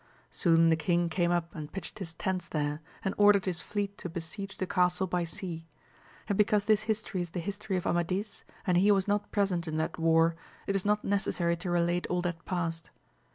Soon the king came up and pitched his tents there, and ordered his fleet to besiege the castle by sea ; and because this history is the history of Amadis, and he was not present in that war, it is not necessary to relate all that passed.